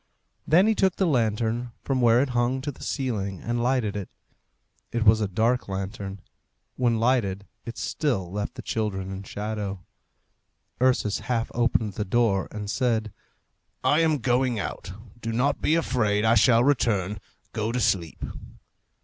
Then he took the lantern from where it hung to the ceiling and lighted it. It was a dark lantern. When lighted it still left the children in shadow. Ursus half opened the door, and said, "I am going out; do not be afraid. I shall return. Go to sleep."